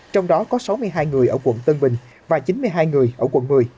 trong đó có sáu mươi hai người ở quận tân bình và chín mươi hai người ở quận một mươi